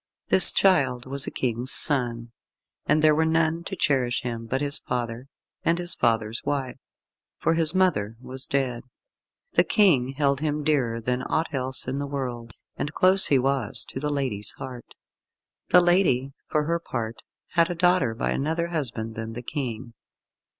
This Childe was a King's son, and there were none to cherish him but his father and his father's wife, for his mother was dead. The King held him dearer than aught else in the world, and close he was to the lady's heart. The lady, for her part, had a daughter by another husband than the King.